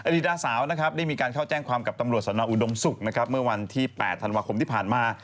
ดีดาสาวนะครับได้มีการเข้าแจ้งความกับตำรวจสนอุดมศุกร์นะครับเมื่อวันที่๘ธันวาคมที่ผ่านมา